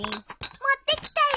持ってきたよ。